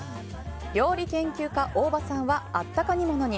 料理研究家・大庭さんはあったか煮物に！